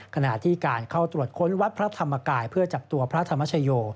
ขณะที่การเข้าตรวจค้นวัดพระธรรมกายเพื่อจับตัวพระธรรมชโย